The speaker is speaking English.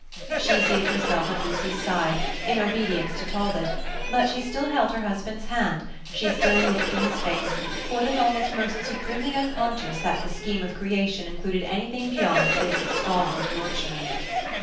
She seated herself at Lucy's side, in obedience to Talbot; but she still held her husband's hand, she still looked in his face, for the moment most supremely unconscious that the scheme of creation included anything beyond this stalwart Yorkshireman.